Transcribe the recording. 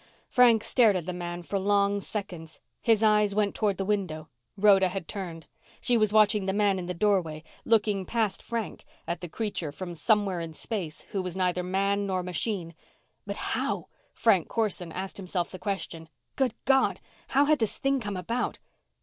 Frank stared at the man for long seconds. His eyes went toward the window. Rhoda had turned. She was watching the man in the doorway, looking past Frank at the creature from somewhere in space who was neither man nor machine. But how ? Frank Corson asked himself the question. _Good God! How had this thing come about?